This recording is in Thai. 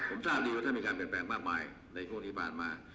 ผมทราบดีว่าถ้ามีการเปลี่ยนแปลงมากมายในช่วงที่ผ่านมา